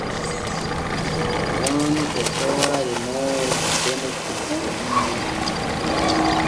Waanu e toora remoowo deme kokkoliiri.